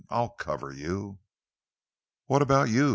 I'll cover you." "What about you?"